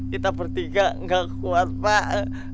kita bertiga gak kuat pak